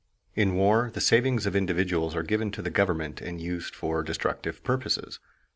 In war the savings of individuals are given to the government and used for destructive purposes.